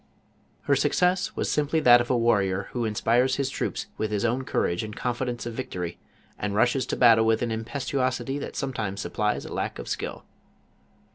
Her success, was simply that of a warrior who in spires his troops with his own courage and confidence of victory, and rushes to battle with an impetuosity that sometimes supplies a lack of skill.